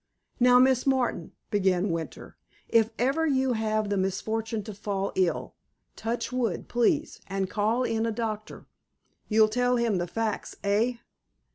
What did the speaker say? "Now, Miss Martin," began Winter, "if ever you have the misfortune to fall ill—touch wood, please—and call in a doctor, you'll tell him the facts, eh?"